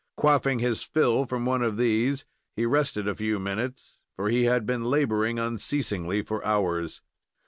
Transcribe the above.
Quaffing his fill from one of these, he rested a few minutes, for he had been laboring unceasingly for hours.